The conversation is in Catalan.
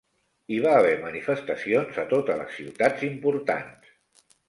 Hi va haver manifestacions a totes les ciutats importants.